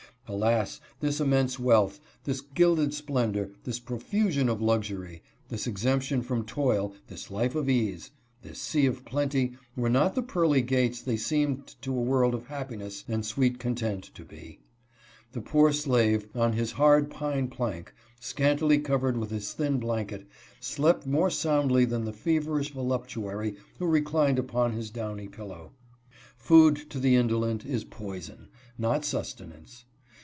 Alas, this immense wealth, this gilded splen dor, this profusion of luxury, this exemption from toil, this life of ease, this sea of plenty were not the pearly gates they seemed to a world of happiness and sweet con tent to be. The poor slave, on his hard pine plank, scantily covered with his thin blanket, slept more soundly than the feverish voluptuary who reclined upon his downy pillow. Pood to the indolent is poison, not sustenance.